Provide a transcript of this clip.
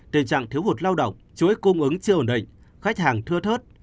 tình trạng thiếu hụt lao động chuỗi cung ứng chưa ổn định khách hàng thưa thớt